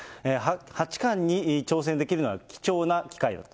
八冠に挑戦できるのは貴重な機会だと。